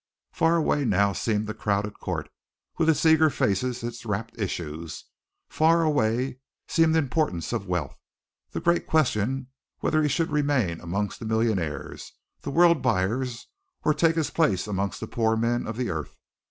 Far away now seemed that crowded court, with its eager faces, its rapt issues, far away seemed the importance of wealth, the great question whether he should remain amongst the millionaires the world buyers, or take his place amongst the poor men of the earth.